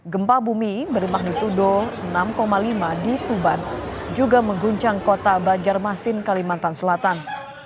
gempa bumi bernama nitu do enam lima di tuban juga mengguncang kota bajarmasin kalimantan selatan